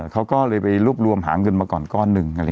เขาก็เลยไปรวบรวมหาเงินมาก่อนก้อนหนึ่ง